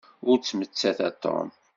Ur ttmettat a Tom.